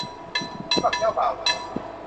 สำหรับเจ้าบ่าวถือ